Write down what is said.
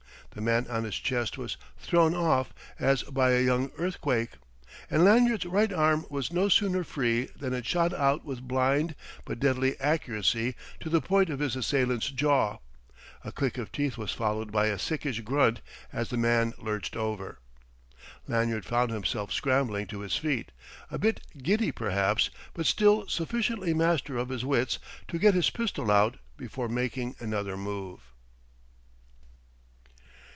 The man on his chest was thrown off as by a young earthquake; and Lanyard's right arm was no sooner free than it shot out with blind but deadly accuracy to the point of his assailant's jaw. A click of teeth was followed by a sickish grunt as the man lurched over.... Lanyard found himself scrambling to his feet, a bit giddy perhaps, but still sufficiently master of his wits to get his pistol out before making another move.